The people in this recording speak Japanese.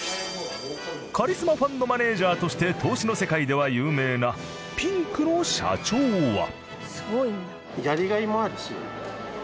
カリスマファンドマネージャーとして投資の世界では有名なピンクの社長は。